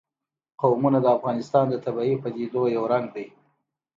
قومونه د افغانستان د طبیعي پدیدو یو رنګ دی.